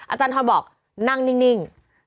อาจารย์ทรบอกนั่งนิ่ง